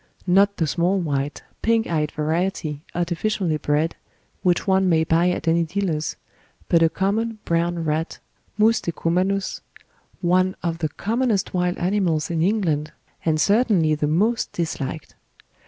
Not the small white, pink eyed variety, artificially bred, which one may buy at any dealer's, but a common brown rat, Mus decumanus, one of the commonest wild animals in England and certainly the most disliked.